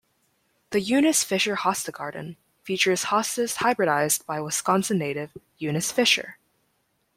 The Eunice Fisher Hosta Garden features hostas hybridized by Wisconsin-native, Eunice Fisher.